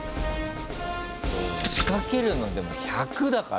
そう仕掛けるのでも１００だからね。